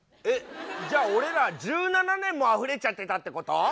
えじゃあ俺ら１７年もあふれちゃってたってこと？